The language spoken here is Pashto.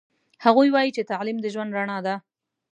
هغوی وایي چې تعلیم د ژوند رڼا ده